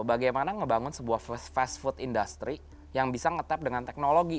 bagaimana ngebangun sebuah fast food industry yang bisa nge tap dengan teknologi